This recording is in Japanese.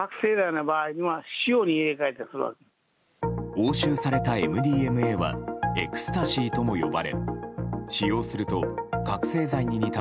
押収されたＭＤＭＡはエクスタシーとも呼ばれ使用すると覚醒剤に似た